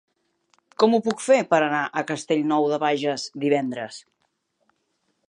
Com ho puc fer per anar a Castellnou de Bages divendres?